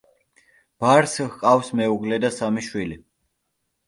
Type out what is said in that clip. ბარს ჰყავს მეუღლე და სამი შვილი.